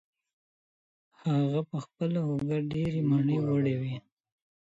هغه پخپله اوږه ډېري مڼې وړې وې.